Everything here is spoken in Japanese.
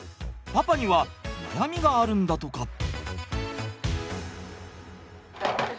パパには悩みがあるんだとか。